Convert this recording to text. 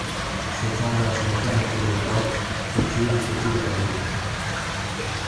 S’étendant sur le canapé de droite, les pieds du côté de la gauche.